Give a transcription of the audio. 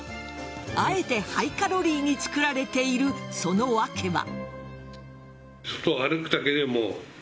あえてハイカロリーに作られている、その訳は。